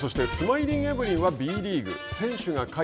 そしてスマイリンエブリンはＢリーグ。